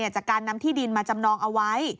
จากการนำที่ดินมาจำนองเอาไว้